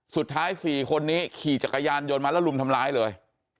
สุดท้าย๔คนนี้ขี่จักรยานยนต์มาแล้วลุมทำร้ายเลย